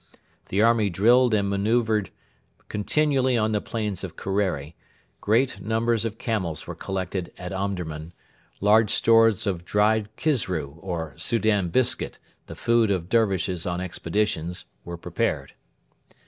The army drilled and manœuvred continually on the plains of Kerreri; great numbers of camels were collected at Omdurman; large stores of dried kisru or 'Soudan biscuit,' the food of Dervishes on expeditions, were prepared.